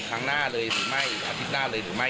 ครั้งหน้าเลยหรือไม่อาทิตย์หน้าเลยหรือไม่